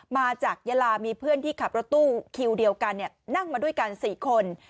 มาจากยาลามีเพื่อนที่ขับรถตู้คิวเดียวกันนั่งมาด้วยกัน๔คน